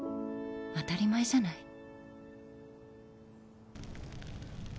当たり前じゃない。